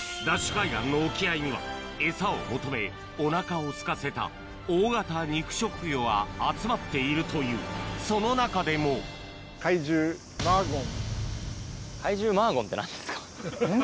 海岸の沖合にはエサを求めおなかをすかせた大型肉食魚が集まっているというその中でもうん？